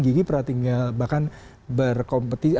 gigi perhatinya bahkan berkompetisi